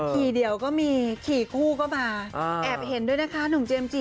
เดี่ยวก็มีขี่คู่ก็มาแอบเห็นด้วยนะคะหนุ่มเจมส์จิ